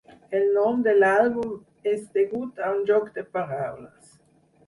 El nom de l'àlbum és degut a un joc de paraules.